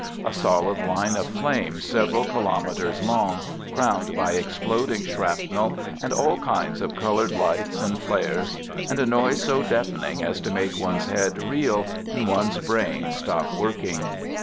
A solid line of flame several kilo meters long, crowned by exploding shrapnel and all kinds of colored lights and flares and a noise so deafening as to make one's head reel and one's brain stop working.